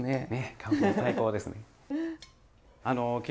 乾物最高ですね。